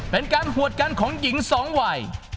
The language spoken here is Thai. เป็นการหวดกันของหญิงสองวัย